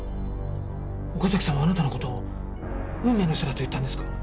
岡崎さんはあなたの事を運命の人だと言ったんですか？